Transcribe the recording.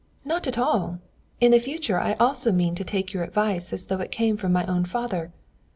"Not at all! In future also I mean to take your advice as though it came from my own father.